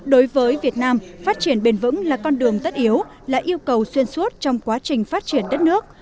đối với việt nam phát triển bền vững là con đường tất yếu là yêu cầu xuyên suốt trong quá trình phát triển đất nước